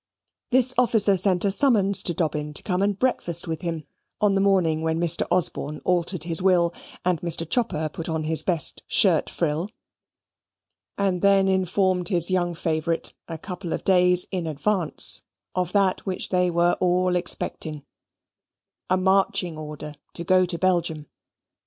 This officer sent a summons to Dobbin to come and breakfast with him, on the morning when Mr. Osborne altered his will and Mr. Chopper put on his best shirt frill, and then informed his young favourite, a couple of days in advance, of that which they were all expecting a marching order to go to Belgium.